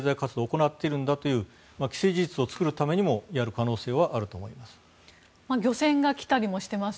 ここで中国は経済活動を行っているんだという既成事実を作るためにもやる可能性はあると思います。